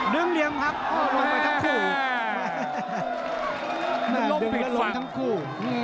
ดึงเหลี่ยงพักลงไปทั้งคู่